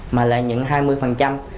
mà lợi nhuận cao